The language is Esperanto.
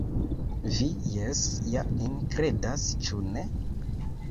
Vi jes ja min kredas, ĉu ne?